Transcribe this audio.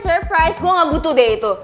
surprise gue gak butuh deh itu